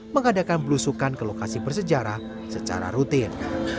mengadakan belusukan ke lokasi bersejarah secara rutin